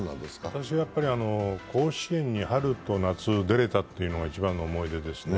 私は甲子園に春と夏、出れたというのが一番の思い出ですね。